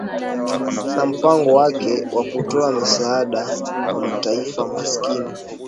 na mpango wake wa kutoa misaada kwa mataifa maskini